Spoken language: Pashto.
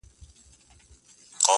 دا پاته عمر ملګي کومه ښه کومه ,